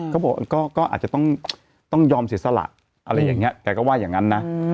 ก็อาจจะต้องต้องยอมเสียสละอะไรอย่างเงี้ยแต่ก็ว่าอย่างงั้นนะ